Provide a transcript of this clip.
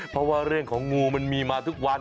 เพราะว่าเรื่องของงูมันมีมาทุกวัน